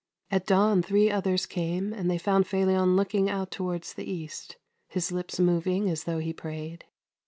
At dawn three others came, and they found Felion look ing out towards the east, his lips moving as though he prayed.